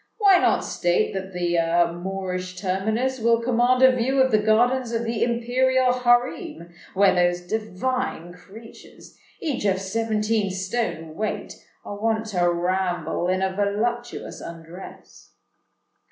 Why not state that the Moorish terminus will command a view of the gardens of the imperial harem, where those divine creatures—each of seventeen stone weight—are wont to ramble in a voluptuous undress?"